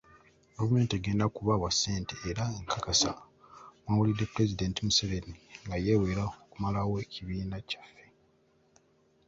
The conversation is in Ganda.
Gavumenti egenda kubawa ssente era nkakasa mwawulidde Pulezidenti Museveni nga yewera okumalawo ekibiina kyaffe.